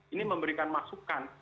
ini memberikan masukan